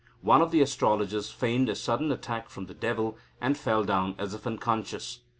One of the astrologers feigned a sudden attack from the devil, and fell down as if unconscious.